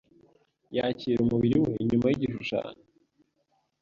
Yakira umubiri we inyuma nigishushanyo